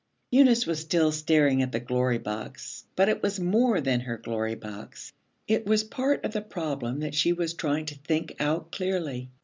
Eunice was still staring at the Glory Box, but it was more than her Glory Box. It was part of the problem that she was trying to think out clearly.